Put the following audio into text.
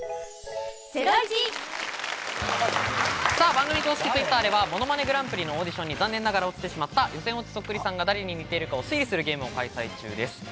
番組公式Ｔｗｉｔｔｅｒでは『ものまねグランプリ』のオーディションに残念ながら落ちてしまった予選落ちそっくりさんが誰に似ているかを推理するゲームを開催中です。